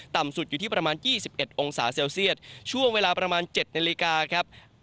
ต่ำสุดอยู่ที่ประมาณ๒๑องศาเซลเซียตช่วงเวลาประมาณ๗นาฬิกาครับ